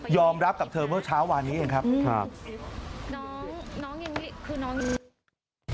รับกับเธอเมื่อเช้าวานนี้เองครับครับน้องน้องอย่างนี้คือน้องอย่างนี้